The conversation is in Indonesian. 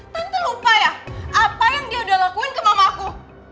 tentu lupa ya apa yang dia udah lakuin ke mamaku